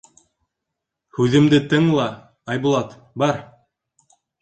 — Һүҙемде тыңла, Айбулат, бар.